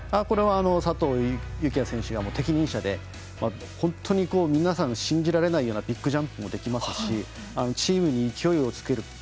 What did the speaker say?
これは佐藤幸椰選手が適任者で本当に皆さん信じられないようなビッグジャンプもできますしチームに勢いをつける